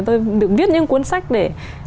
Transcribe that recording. tôi được viết những cuốn sách để